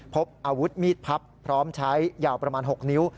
พบอาวุธมีดพับพร้อมใช้ยาวประมาณ๖นิ้ว